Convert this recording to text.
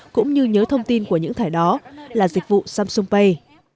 cũng như nhớ thông tin của những thẻ đó là dịch vụ samsung pay